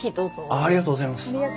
ありがとうございます。